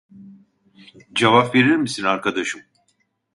Cevap verir misin arkadaşım